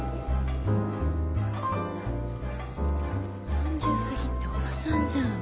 ４０過ぎっておばさんじゃん。